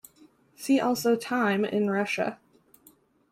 See also Time in Russia.